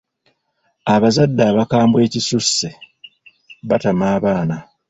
Abazadde abakambwe ekisusse batama abaana.